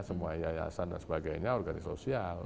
semua yayasan dan sebagainya organisasi sosial